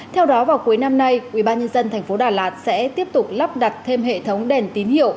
theo đó vào cuối năm nay ubnd tp đà lạt sẽ tiếp tục lắp đặt thêm hệ thống đèn tín hiệu